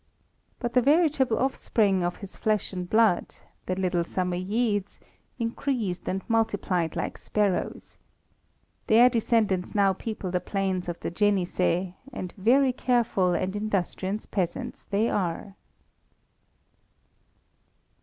But the veritable offspring of his flesh and blood, the little Samoyedes, increased and multiplied like sparrows. Their descendants now people the plains of the Jenisei, and very careful and industrious peasants they are.